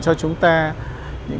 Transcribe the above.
xây dựng và hoàn thiện